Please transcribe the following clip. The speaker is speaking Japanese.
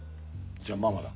じゃあママだ。